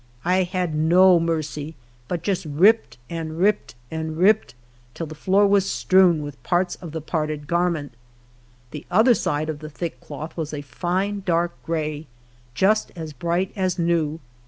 I had no mercy, but just ripped, and ripped, and ripped, till the floor was strewn with ])art8 of the parted garment. The other side of the thick cloth was a line dark gray, just as bright as new.